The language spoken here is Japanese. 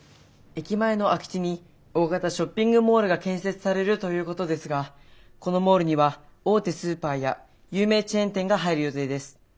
駅前の空き地に大型ショッピングモールが建設されるということですがこのモールには大手スーパーや有名チェーン店が入る予定です。